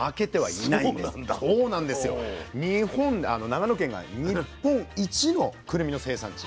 長野県が日本一のくるみの生産地。